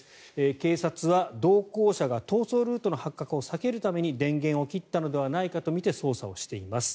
警察は同行者が逃走ルートの発覚を避けるために電源を切ったのではないかとみて捜査をしています。